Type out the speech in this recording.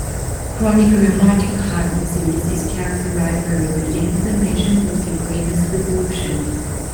Chronic rheumatic heart disease is characterized by repeated inflammation with fibrinous resolution.